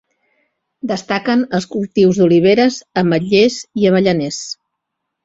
Destaquen els cultius d'oliveres, ametllers i avellaners.